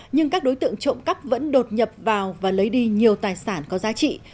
nhưng các đối tượng trộm cắp vẫn đột nhập vào và lấy đi nhiều tài sản có giá trị